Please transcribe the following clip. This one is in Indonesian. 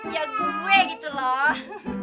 yang gue gitu loh